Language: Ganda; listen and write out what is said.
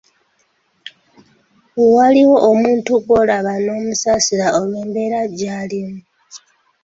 Waliwo omuntu gw’olaba n’omusasira olw’embeera gy’alimu.